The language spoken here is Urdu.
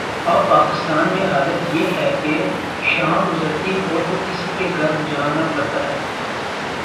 اب پاکستان میں حالت یہ ہے کہ شام گزارنی ہو تو کسی کے گھر جانا پڑتا ہے۔